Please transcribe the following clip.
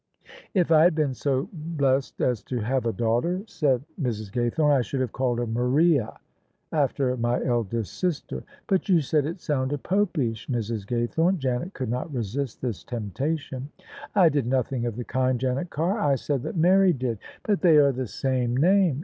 "If 1 had been so blessed as to have a. daughter," said THE SUBJECTION Mrs. Gaythome, " I should have called her Maria after my eldest sister." " But you said it sounded Popish, Mrs. Gaythome." Janet could not resist this temptation. " I did nothing of the kind, Janet Carr. I said that Mary did." " But they are the same name."